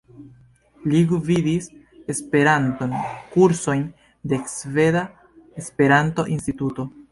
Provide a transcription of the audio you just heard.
Li gvidis Esperanto-kursojn de Sveda Esperanto-Instituto.